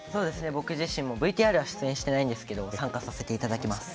僕自身もＶＴＲは出演してないんですが参加させていただきます。